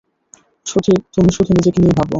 তুমি শুধু নিজেকে নিয়ে ভাবো।